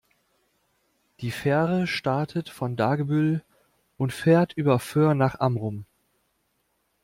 Die Fähre startet von Dagebüll und fährt über Föhr nach Amrum.